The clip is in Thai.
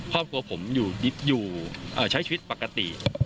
ครอบครัวผมอยู่ใช้ชีวิตปกติ